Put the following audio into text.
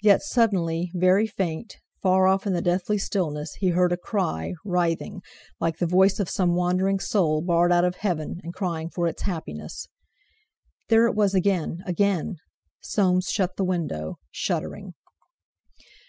Yet suddenly, very faint, far off in the deathly stillness, he heard a cry writhing, like the voice of some wandering soul barred out of heaven, and crying for its happiness. There it was again—again! Soames shut the window, shuddering.